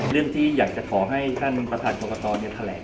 เรื่องที่อยากจะขอให้ท่านประธานกรกตแถลง